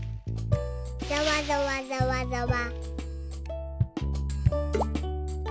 ざわざわざわざわ。